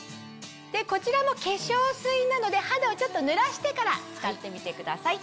こちらも化粧水などで肌をちょっと濡らしてから使ってみてください。